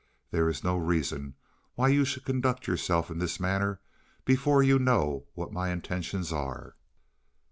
There is no reason why you should conduct yourself in this manner before you know what my intentions are."